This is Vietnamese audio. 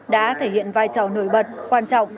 đã thể hiện vai trò nổi bật quan trọng